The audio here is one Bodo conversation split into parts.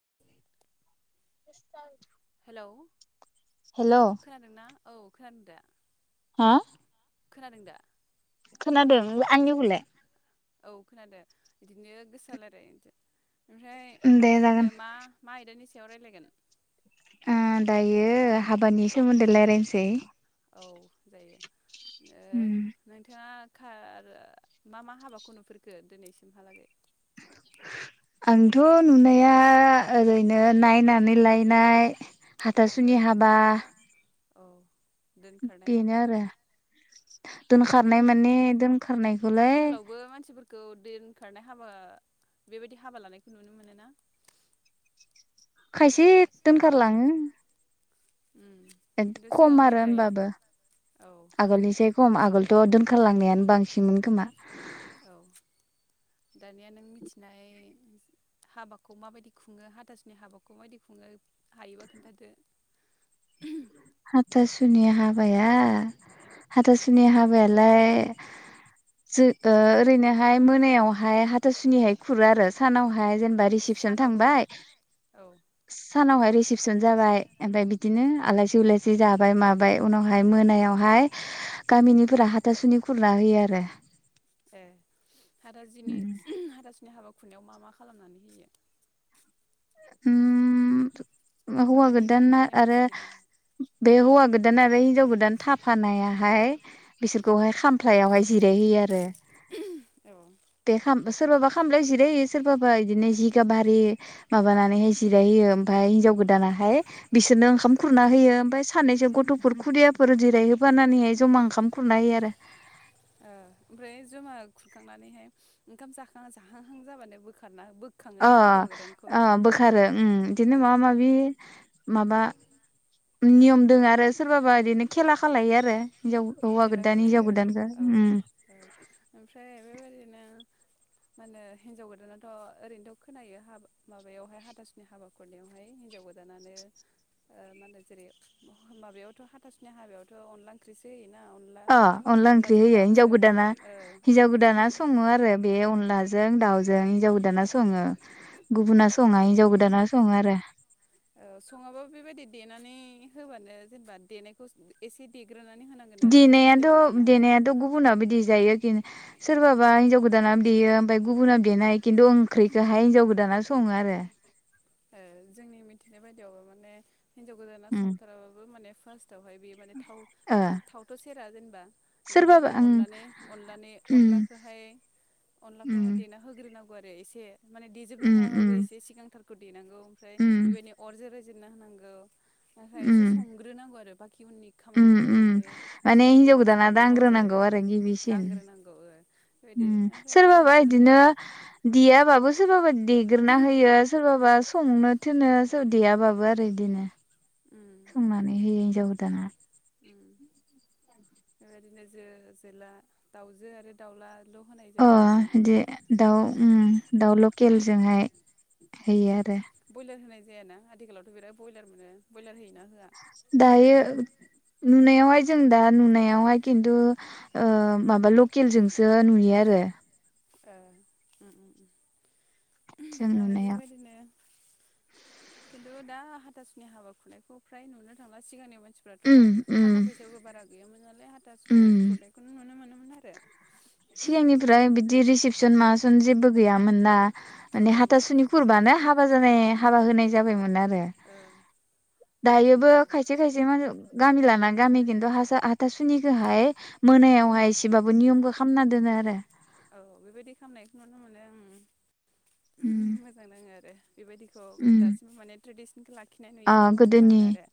[inaudible] हेलौ हेल' खोनादोंना? औ खोनादों दे। हा? खोनादों दा? खोनादों आंनिखौलाय। औ खोनादों बिदिनो गोसा लायराय [inaudible] ओमफ्राय दे मा जागोन होनो मा मा आयदानिस सायाव रायलायगोन। ओ दायो हाबानि सोमोन्दै लायरायसै। औ जायो। ओ उम नोंथाङा [unintelligible] मा मा हाबाखौ नुफेरखो दिनैसिमहालागै? आंथ' नुनाया ओरैनो नायनानै लायनाय औ हाथासुनि हाबा औ दोनखारनाय बेनो हाबा आरो दोनखारनाय माने दोनखारनायखौलाय खौ दोनखारनाय हाबा बेबादि हाबा लानायखौ नुनो मोनोना खायसे दोनखारलाङो उम खिन्थु [unintelligible] खम आरो सिगांनिफ्राय होनबाबो औ आगोलनिसाय खम आगोल थ' दोनखारलांनायानो बांसिनमोन खोमा [inaudible] हाथासुनि हाबाया हाथासुनि हाबायालाय जो ओरैनोहाय मोनायावहाय हाथासुनिहाय खुरो आरो सानावहाय जेनबा रिसिपसन सानावबो थांबाय औ सानावहाय रि सिपसन जाबाय ओमफ्राय बिदिनो आलासि उलासि जाबाय माबाय उनावहाय मोनायावहाय गामिनिफोरा हाथासुनि खुरना होयो आरो। ए हादाजिनि हाथासुनि हाबाखौ खुरनायाव मा मा खालामनानै होयो। उम हौवा माबायदि माबायदि गोदाना आरो नेमखान्थि दं बे हुवा गोदोन आरो हि जाव गोदान थाफानायाहाय बिसोरखौहाय खामफ्लायावहाय जिराय होयो आरो औ दे खाम सोरबाबा खामलायाव जिरायो सोरबाबा बिदिनो जिगाबारि माबानानैहाय जिरायहोयो ओमफाय हिनजाव गोदानाहाय बिसोरनो ओंखाम खुरना होयो ओमफ्राय सानैसो गथ'फोर खुदियाफोर जिरायहफानानैहाय जमा ओंखाम खुरना होयो आरो ओ ओमफ्राय जमा खुरखांनानैहाय ओंखाम जां जाहांहां जाबानो बोखारना अ बोखाङोना हौवा गोदानखौ ओ बोखारो ओम बिदिनो औ माबा माबि माबा नियम दोङ आरो सोरबाबा बिदिनो खेला खालायो आरो हिनजाव हौवा गोदान हिनजाव खेलागेलेयो गोदानखौ औ उम औ ओमफ्राय बेबायदिनो [unintelligible] मा होनो हिन्जाव गोदानाथ' आरैनो खोनायो माबायाव हाथा सुनि हाबा खुरनायव हिन्जाव गोदानानो ओ माहोनो जेरै माबायावथ हाथासुनि हाबायावथ अनला ओंख्रिसो होयो अ अनला ओंख्रि होयो हिनजाव गोदाना औ हिनजाव गोदाना सङो आरो बे अनला जों दाउजों हिन्जाव गोदाना सङो गुबुना सङा औ हिनजाव गोदाना सङो आरो औ सङाबा बेबायदि देनानै होबानो जेनबा देनायखौ एसे दे देनायाथ' देनायाथ' गुबुनाबो देजायो आरोखि सोरबाबा हिनजाव गोदाना देयो ओमफाय गुबुना देनाय खिन्थु ओंख्रिखौहाय हिन्जाव गोदाना सङो आरो ओ जोंनि मिथिनाय बायदियावबो माने हिन्जाव गोदाना उम संथाराबाबो माने थावहाय बे माने थाव ओ थावथ' सेरा जेनबा सोरबाबा बेबायदि ओं अनलानै अनलानै उम अनलाखोहाय अनलाखौहाय उम देना होग्रोनां बोरै इसे माने देजोबनो उम हायाबाबो उम एसे सिगांथार देनांगौ ओमफ्राय उम बेबायदि अर जेरै फिनना होनांगौ ओ हायो एसे उम संग्रोनांगौ आरो बा इउनिक उम खामानिखौहाय उम माने माने जेनेरेल हिनजाव गोदाना मानसिफ्राबो दांग्रोनांगौ मावजायोरा दांग्रोनांगौ ओ ओम ओमफ्राय सोरबाबा खोनानो इदिनो मोनदों देयाबाबो सोरबाबा देग्रोना होयो सो सोरबाबा संनो थोनो सोर देयाबाबो आरो इदिनो उम संनानै हयो हिनजाव दाना उम बेबायदिनो जो जोला दाउजो आरो दाउला अ दे दाउ उम दाउ ल खेलजोंहाय उम बयलार होनाय जायाना आथिखालावथ' बिराद बयलार मोनो बयलार होयोना होआ दायो नुनायावहाय जों दा नुनायावहाय किन्थु ओ माबा लकेलजोंसो नुयो आरो ओ ओम ओम जों आरो नुनायाव बेबायदिनो किन ओ दा हाथासुनि हाबाखौनो खु फ्राय नुनो थांगा सिगांनि बाद फ्राथ' उम उम थाखा फैसायावबो बारा। गैयामोन नांला बे उम हाथासुनि खुरनायखौनो नुनो मोनो। मोन आरो। सिगांनिफ्राय बिदि रिसिपसन मासन जेबो गैयामोन ना। औ माने हाथाासनि खुरबानो हा गोजोनै हाबा होनाय जाबायमोन आरो। दे ओं दायोबो बेबायदिमोन आरो खायसे खायसे मानस गामि लाना गामि खिन्थु हासा हाथासु निखो हाय उन मोनायावहाय एसेबाबो नियम बो औ बेबायदि खामनायखौ नु उम मोजां दाङो आरो बेबायदिखौ उम दासिमबो माने ट्रेडिसनखौ लाखिनाय ओ नुयोब्ला मोजां गोदोनि आाङो आरो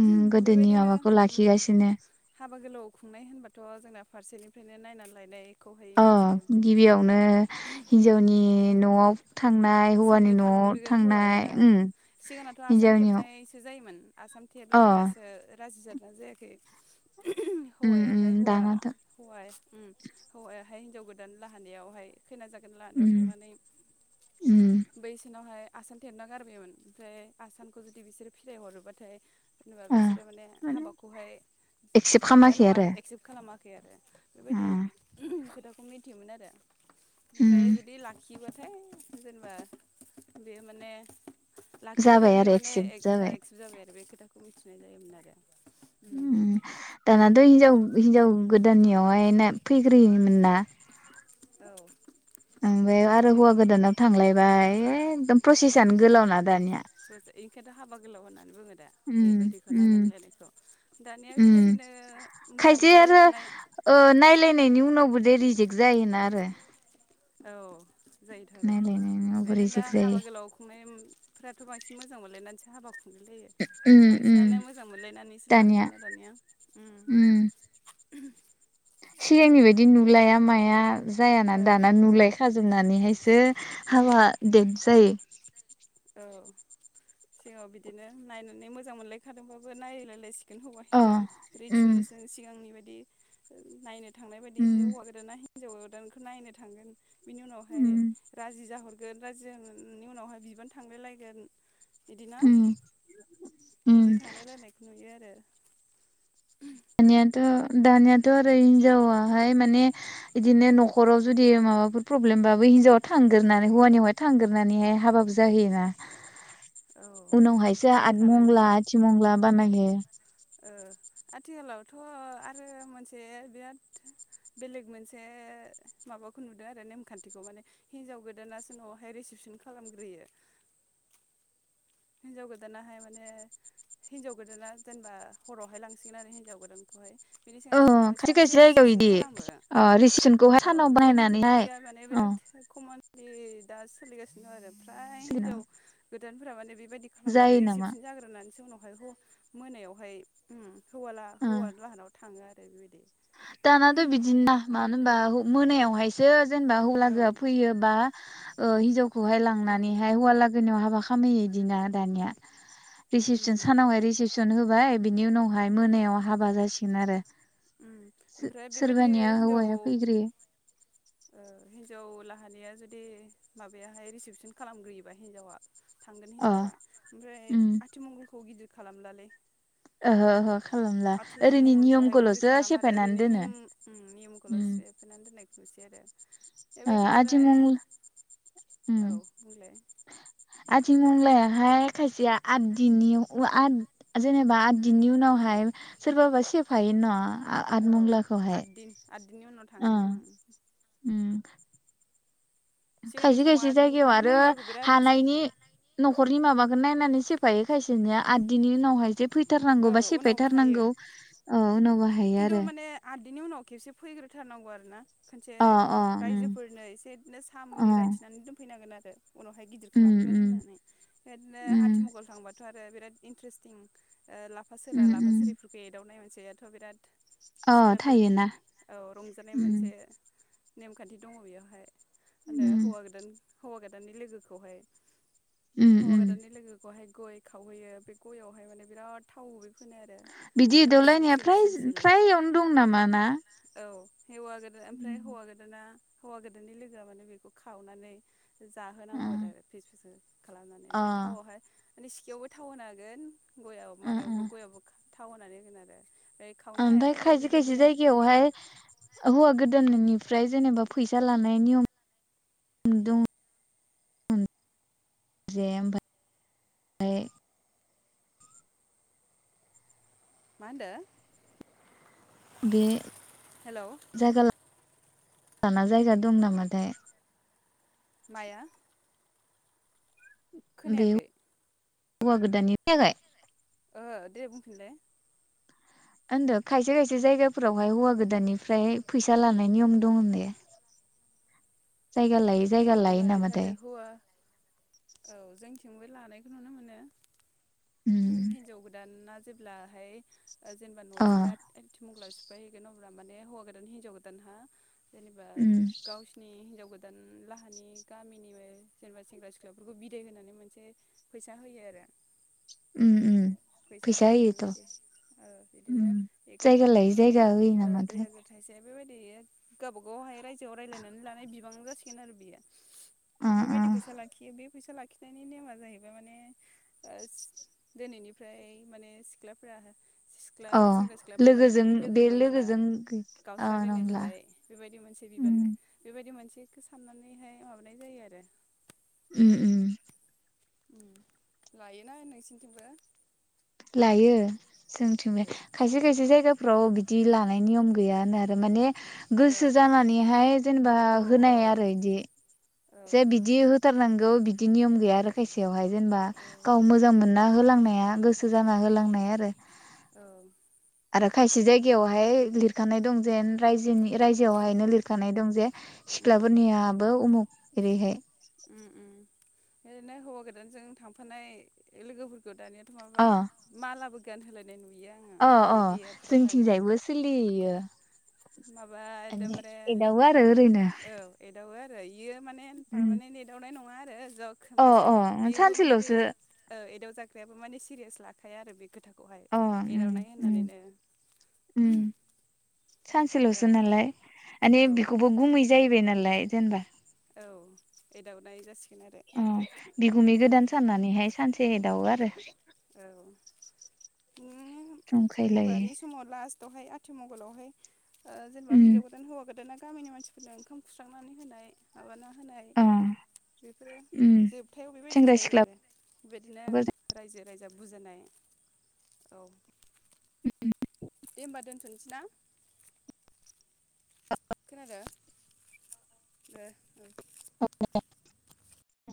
उम गोदोनि बेबायदिनो माबाखौ उम लाखिगासिनो हाबा गोलाव। खुंनाय होनबा थ' जोंना फारसेनिफ्रायनो नायनानै लायनाय। अ गिबियावनो उम हिन्जावनि न'आव। थांनाय हौवानि सोंनो न'आव थांग्रोगोन थांनाय हौवाया उम सिगाङथ' आसान हिनजावनियाव थेबनायसो जायोमोन। आसाम अ थेरलायलायनायासो राजि जादों। नाजायाखै। उम उम हौवायाहाय हौवा दानाथ' हौवा उम हौवा। फाय हिन्जाव गोदान लाहानावहाय। खैनाजागोन लाहानावहाय उम थांनानै। उम बैसिनावहाय। आसान थेबना गारबाययोमोन ओमफ्राय आसानखौ जुदि बिसोरो फिराय हरोबाथाय। जेनेबा ओ बिसोरो माने हाबाखौहाय एक्सेप्ट माबाया नङा खालामाखै आरो एक्सेप्ट खालामा। खै आरो। बेबायदि ओ खोथा। खौ मिथियोमोन आरो। उम ओमफ्राय जुदि ला खिबाथाय जेनेबा बे माने। लाखिबायथाय जाबाय बियो आरो माने एक्सेप्ट बे एकसेब जाबाय आरो। थाखौ मिथिनाय जायोमोन आरो। उम दानाथ' बेबायदिमोन आरो हिनजाव हिनजाव गोदाननियावहाय ना फैग्रोयो। मोना औ ओं बेयाव आरो हौवा गोदानाव थांलायबाय एकदम प्रसेसनो गोलावना दानिया प्रजेक एनिखायथ' हाबा गोलाव होननानैबोङो उम उम दानिया उम बेबायदिनो मोजां खायसे आरो मोनलायलायखानाय ओ नायलायनायनि उनावबो दे रिजेक्ट जायोना आरो औ जायोथ' आरो नायलायनायनि उनावबो बेओरैनो दा रिजेक्ट हाबा जायो गोलाव खुंनाय फ्राथ'बांसिन मोजां मोनलनानैस हाबाखौ खुंलाय लायो उम उम बांसिनानो मोजां मोनलायनानैसो लाखायोना दानिया उम सिगांनि बायदि नुलाया माया जायाना औ दाना नुलाय खाजोबनानैहाय [unintelligible] हाबा [unintelligible] जायो औ सिगाव बिदिनो नायनानै मोजां मोनलायखादोंबाबो अ उम नायलायलायसिगोन [inaudible] नायनो थांनाय बादि उम हौवा गोदाना हिन्जाव गोदान नायनो थांगोन बिनि उनावहाय उम राजि जाहर [unintelligible] उनावहाय बिबान थांलाय लायगोन बिदिना उम बिदि उम थांलायनायखौ नुयो। बे आरो दानियाथ' दानियाथ' आरो हिनजावाहाय माने बिदिनो न'खराव जुदि माबाफोर प्रब्लेमबाबो हिनजावा थांग्रोन हौवानियावहाय थांग्रनानैहाय हाबाबो जाहैयोना औ उनावहायसो आथ थांग्रोखानानै मंगला आथि मंगला बानायो ओ आथिखालावथ' आरो मोनसे बिराद बेलेग मोनसे माबाखौ नुदों आरो नेमखान्थिखौ माने हिनजाव गोदानासो न'आवहाय रिसिपसन खालामग्रोयो हिनजाव गोदानाहाय माने हिनजाव गोदाना जेनेबा हरावहाय लांसिगोन आरो हिनजाव गोदानखौहाय बिनि औ सानावहाय खायसे सानसे खायसे जायगायाव रिसिपसन इदि खालामो ओ रिसिपसनखौहाय औ सानाव जोंनिथिम बानायनानैहाय बिदिया माने अ बिराद कमन [unintelligible] दा सोलिगासिनो दं आरो फ्राय सिना हिनजाव [unintelligible] बेबायदि खालामो आरो रिसेपसन जाग्रोनानैसो उनाव [unintelligible] मोनायावहाय हौवाला ओ हौवा लाहानाव थाङो आरो [unintelligible] बेबायदि दानाथ' बिदिना मानो होनबा मोनायावहाय [unintelligible] जेनेबा हौवाला औ लोगोआ फैयोबा हिनजावखौहाय उम लांनानैहाय हौवालागोनियाव हाबा [unintelligible] दानिया रिसिपसन उम सानावहाय रिसिपस न होबाय बिनि उनावहाय मोनायाव हाबा जासिगोन आरो। बिनि उनावहाय मोनायाव हाबा उम सो- ओमफ्राय बेबायदि सोरबानिया हिन्जाव हौवाया फैग्रोयो ओ हिन्जाव लाहानिया जुदि माबायाहाय रिसिपसन खालामग्रोयोबा हिन्जावा थांगोन अ हिनजावा ओमफ्राय उम आथिमंगलखौ गिदिर खालामलालै ओहो ओहो खालामला ओरैनो आथिमंगलखौहाय गिदिर नियमखौल'सो खालाम आरो सेफायनानै ओरैनो दोनो निम नियमखौल' उम सेफैनानै दोननायखौ एरो ओ आथि मं उम औ बुंलाय आथिमंलाया हाय खायसेया आद दिननि आद जेनेबा आद दिननि उनावहाय सोरबाबा सेफायो ना आ औ आदमंगलाखौहाय आददिन आददिननि उनाव थाङो आं उम सिगांनि समाव खायसे-खायसे आद जायगायाव आरो आदमंग्लाखौ बिराद हानायनि न'खरनि माबा नायनानै सेफायो खायसेनिया आददिनि उनावहाय जे औ फैथारनांगौ बा उनाव बाहायो सेफायथारनांगौ ओ उम उनावबो हायो खिन्थु आरो माने आदैनि उनाव खेबसे फैग्रोथारनांगौ आरो ना खनसे अ अ उम रायजोफोरनो एसे बिदिनो सा अ मुरि रायथिनानै दोनफैनांगोन आरो उनावहाय गिदिर उम खालामगोन उम होननानै बेदिनो उम आथिमंगल थांबाथ' आरो बिराद इन्ट्रेस्टिं ओ लाफासोरा उम उम लाफासोरिफोरखौ एदावनाय मोनसे थ' बिराद अ सिख्लाफोरनि थायोना औ रंजानाय मोनसे उम नेमखान्थि दङ बेयावहाय माने उम हौवा गोदान हौवा गोदाननि लोगोखौहाय उम हौवा उम गोदानि लोगो खहाय गय खावहैयो बे गययावहाय माने बिराद थाव फुनो आरो बिदि माने सिल एदावलायनाया सिल फ्राय सिल सिल फ्रायावनो दं नामा ना? औ हवा ओमफ्राय हौवा गोदाना हौवा गोदाननि लोगोआ माने बेखौ खावनानै अ जाहोनांगौ आरो फिस फिस खालामनानै ओ ओमफ्राय थावआवहाय ने सिगायावबो थाव होना हागोन गयावबो माबायावबो गयावबो थाव होनानै होगोन आरो ओमफ्राय खावनो हाया ओमफाय जायो खायसे खायसे बेबायदिनो जायगायावहाय हौवा गोदाननि फ्राय जेनेबा फैसा लानाय नियम दङ जे म फ्राय मा होनदों बे जायगा दाना जायगा दं नामाथाय माया बे खोनायाखै हौवा गोदाननि फायाखै ओ दे बुंफिनलाय ओनदो खायसे खायसे जायगाफोरावहाय हौवा गोदाननिफ्राय फैसा लानाय नियम दं होन दे जायगा लायो जायगा औ लायो लायथारो नामाथाय थिंबो लानायखौ नुनो मोनो उम हिनजाव गोदाना जेब्ला हाय जेनेबा' अ नथिंनिया आथि मंग्ला सि फाय हैैगोन अब्ला माने हौवा गोदान हिनजाव गोदान हा जेनेबा उम गावसिनि हिनजाव गो दान लाहानि गामिनिबो जेनेबा सेंग्रा सिख्लाफोरखौ बिदाय होनानै मोनसे फैसा होयो आरो उम उम फैसा होयो बेबायदि ओ उम बिदिनो एक जायगा हाजार लायै थाइसे जायगा होयो दुइ नामाथाय हाजार थाइसे बेबायदि गावबा गावहाय रायजोआव रायलायनानै लानाय बिबां जासिगोन आरो बेयो ओ बेबायदि फैसा ओ लाखियो बे फैसा लाखिनायनि नेमा जाहैबाय माने ओस दोनैनि फ्राय माने सिख्लाफोरा सिख्ला अ सेंग्रा सिख्लाफ्रा माने लोगोजों बिनि लोगो बे नंला लोगोजों ओ गावस्रालायनाय नंला जाबाय बेबायदि मोनसे बिबान उम बेबायदि मोनसे बेखो साननानैहाय माबानाय जायो आरो उम उम उम लायोना नोंसिनिथिंबो लायो जोथिंलाय खायसे खायसे जायगाफ्राव बिदि लानाय नियम गैयानो आरो माने गोसो जानानैहाय जेनेबा ओ औ होनाय आरो बिदि औ जे बिदि होथारनांगौ बि दि नियम गैया आरो खायसेयावहाय जेनेबा गाव मोजां मोनना होलांनाया गोसो सो जाना होलांनाय आरो औ आरो खायसे जायगायावहाय लिरखानाय दं जेन रायजोनि रायजोआवहायनो लिरखानाय दं जे उम सिख्लाफोरनियाबो उमुख एरैहाय उम उम ओरैनो हौवा गोदानजों थांफानाय लोगोफोर खो दानियाथ' माबा अ मालाबो गानहोलायनाय नुयो आङो अ अ मिडियाफ्रावहाय जोंथिंजायबो सोलियो इयो माबा एकदमबारे एदावो आरो ओरैनो औ एदावो आरो। खै बेयो माने पारमानेन्ट एदावनाय। नङा आरो जकसो अ मोनसे अ बेबो माने बे सानसेल'सो एदाव जा बेबो माने सिरियास लाखाया आरो बे खोथाखौ। अ उम उम सानसे औ [unintelligible] नालाय मान औ बेखौबो गुमै जाहैबाय नालाय। दे होनबा औ एदावनाय जासि अम बिगुमनि गोदान साननानैहाय सानसे। दानो आरो औ उम जंखायलायो हाबानि समाव लास्ट दहाय आथिमंगलावहाय ओ जेनेबा हिनजाव उम गोदान हौवा गोदाना गामिनि मानसिफोरनो ओंखाम खुस्रांनानै होनाय माबाना। होनाय अ बेफोरो उम जोबथायाव बेबायदि सेंग्रा जायो आरो सिख्लाफोर बेदिनो रायजो। जा बुजिनाय औ। दोनहैनाय? खोनादों [inaudible] [unintelligible]